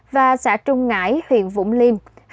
và xã trung ngãi huyện vũng liêm